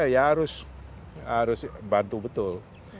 ya harus bantu betul